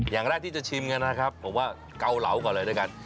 อย่างแรกที่จะชิมกันนะครับผมว่าเกาเหลาก่อนเลยด้วยกัน